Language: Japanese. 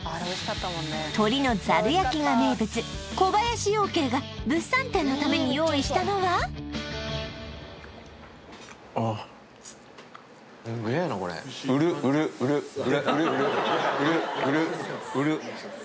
鶏のざる焼が名物小林養鶏が物産展のために用意したのはうめえなこれおいしい